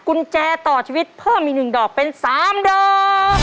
กุญแจต่อชีวิตเพิ่มอีก๑ดอกเป็น๓ดอก